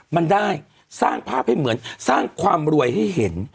มันได้สร้างภาพให้เหมือนสร้างความรวยให้เห็น